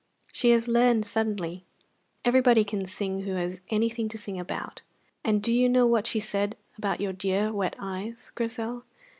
"She has learned suddenly. Everybody can sing who has anything to sing about. And do you know what she said about your dear wet eyes, Grizel?